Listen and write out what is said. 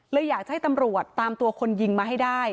อยากจะให้ตำรวจตามตัวคนยิงมาให้ได้